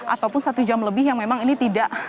ataupun satu jam lebih yang memang ini tidak